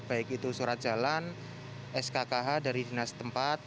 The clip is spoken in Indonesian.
baik itu surat jalan skkh dari dinas tempat